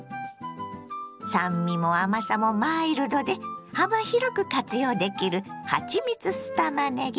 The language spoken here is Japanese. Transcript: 酸味も甘さもマイルドで幅広く活用できる「はちみつ酢たまねぎ」。